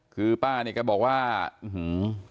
คือป้าเนี่ยแกบอกว่าอื้อหือ